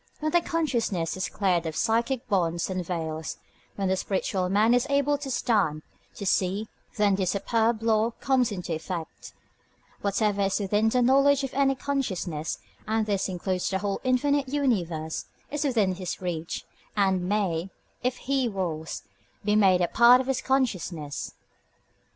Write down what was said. When the consciousness is cleared of psychic bonds and veils, when the spiritual man is able to stand, to see, then this superb law comes into effect: whatever is within the knowledge of any consciousness, and this includes the whole infinite universe, is within his reach, and may, if he wills, be made a part of his consciousness.